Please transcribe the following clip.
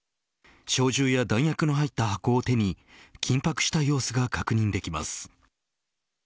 小銃や弾薬の入った箱を手に緊迫した様子が確認できます。